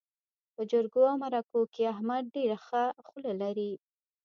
په جرګو او مرکو کې احمد ډېره ښه خوله لري.